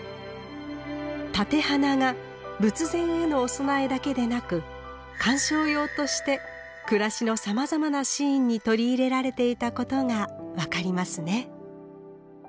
立て花が仏前へのお供えだけでなく鑑賞用として暮らしのさまざまなシーンに取り入れられていたことが分かりますね。